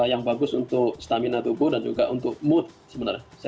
yang bagus untuk stamina tubuh dan juga untuk mood sebenarnya